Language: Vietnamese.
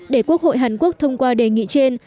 để quốc hội hàn quốc thông qua đề nghị trên